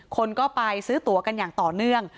คนก็ไปซื้อตัวกันอย่างต่อเนื่อง